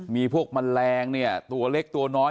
มีพวกแมลงเนี่ยตัวเล็กตัวน้อย